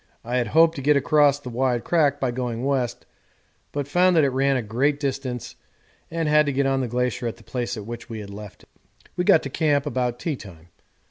I had hoped to get across the wide crack by going west, but found that it ran for a great distance and had to get on the glacier at the place at which we had left it. We got to camp about teatime.